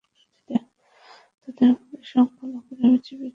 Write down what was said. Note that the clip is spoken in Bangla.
তাঁদের মতে, সংখ্যালঘুরা বিজেপিকে ঠেকাতে শুধু তৃণমূলকেই বেছে নেবেন, সেটা ভাবা ভুল।